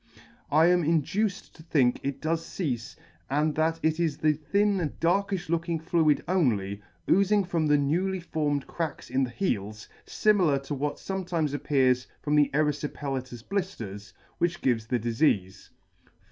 I am induced to think it does ceafe*, and that it is the thin darkifh looking fluid only, oozing from the newly formed cracks in the heels, fimilar to what fometimes appears from eryfipelatous blifters, which gives the difeafe.